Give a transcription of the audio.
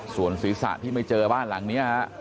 ส่วนศีรษะที่ไม่เจอบ้านหลังนี้ฮะ